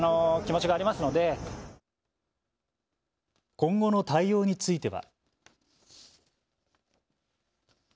今後の対応については。